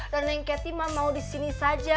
dan neng keti ma mau di sini saja